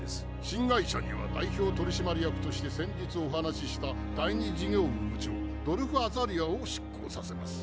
新会社には代表取締役として先日お話しした第２事業部部長ドルフ・アザリアを出向させます。